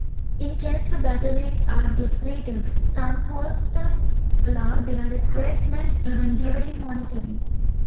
In case the batteries are depleted, some Holters allow their replacement even during monitoring.